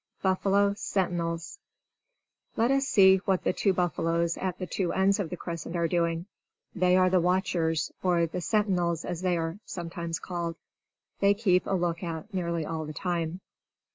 Buffalo Sentinels Let us see what the two buffaloes at the two ends of the crescent are doing. They are the watchers, or sentinels, as they are sometimes called. They keep a lookout nearly all the time.